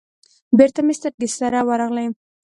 بېرته مې سترگې سره ورغلې.